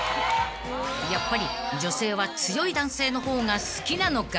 ［やっぱり女性は強い男性の方が好きなのか］